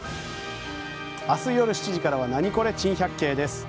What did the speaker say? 明日夜７時からは「ナニコレ珍百景」です。